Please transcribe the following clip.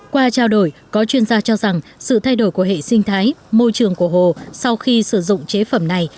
qua trao đổi có chuyên gia cho rằng sự thay đổi của hệ sinh thái môi trường của hồ sau khi sử dụng chế phẩm này